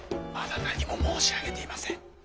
まだ何も申し上げていません。